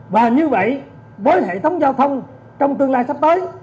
và như vậy với hệ thống giao thông trong tương lai sắp tới